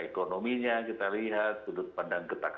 ekonominya kita lihat sudut pandang kita